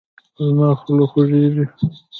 زما خوله خوږیږي